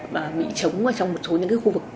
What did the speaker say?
bị trống trong một số những khu vực